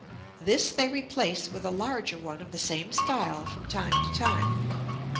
This they replace with a larger one of the same style from time to time.